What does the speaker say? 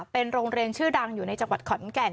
เป็นโรงเรียนชื่อดังอยู่ในจังหวัดขอนแก่น